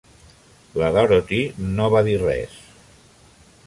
La Dorothy no va dir res.